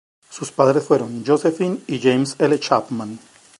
Sus padres fueron Josephine y James L. Chapman.